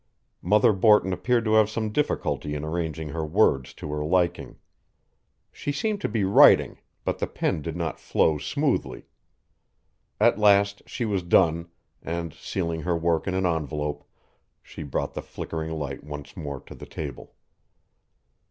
Mother Borton appeared to have some difficulty in arranging her words to her liking. She seemed to be writing, but the pen did not flow smoothly. At last she was done, and, sealing her work in an envelope, she brought the flickering light once more to the table.